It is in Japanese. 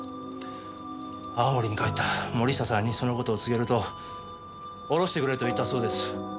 青森に帰った森下さんにその事を告げると堕ろしてくれと言ったそうです。